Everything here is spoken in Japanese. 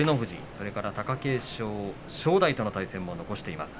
それから貴景勝、正代との対戦も残しています。